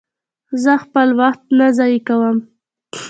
زه خپل وخت نه ضایع کوم.